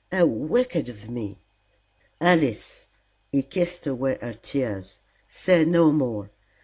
How wicked of me." "Alice" he kissed away her tears "say no more.